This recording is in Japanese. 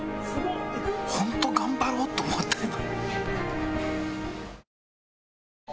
ホント頑張ろうと思った今。